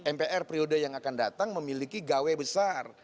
mpr periode yang akan datang memiliki gawe besar